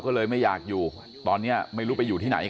ก็เลยไม่อยากอยู่ตอนนี้ไม่รู้ไปอยู่ที่ไหน